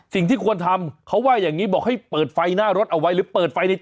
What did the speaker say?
สิ่งที่ควรทำเขาว่าอย่างนี้บอกให้เปิดไฟหน้ารถเอาไว้หรือเปิดไฟใน